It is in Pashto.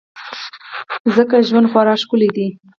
ځکه ژوند خورا ښکلی دی.